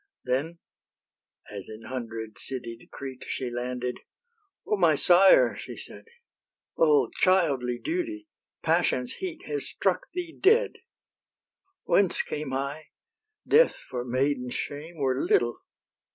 Then, as in hundred citied Crete She landed, "O my sire!" she said, "O childly duty! passion's heat Has struck thee dead. Whence came I? death, for maiden's shame, Were little.